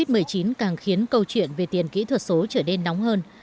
tuy nhiên càng khiến câu chuyện về tiền kỹ thuật số trở nên nóng hơn